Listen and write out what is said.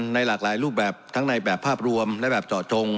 ในหลากหลายรูปแบบทั้งในแบบภาพรวมและแบบเจาะจง